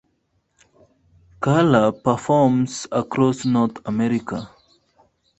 Carla performs across North America.